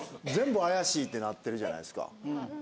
全部怪しいってなってるじゃないですか